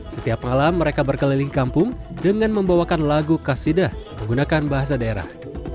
setiap malam mereka berkeliling kampung dengan membawakan lagu kasidah menggunakan bahasa daerah